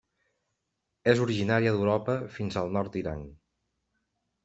És originària d'Europa fins al nord d'Iran.